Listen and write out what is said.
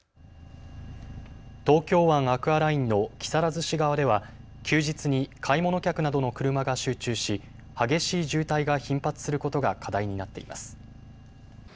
東京湾アクアラインの木更津市側では休日に買い物客などの車が集中し激しい渋滞が頻発することが課題になっています。